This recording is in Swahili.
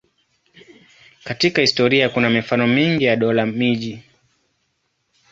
Katika historia kuna mifano mingi ya dola-miji.